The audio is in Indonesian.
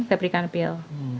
saya berikan pil